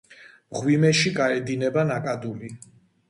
მღვიმეში გაედინება ნაკადული.